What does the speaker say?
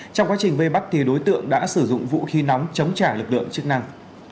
trong quá trình vây bắt đối tượng đã sử dụng vũ khí nóng chống trả lực lượng chức năng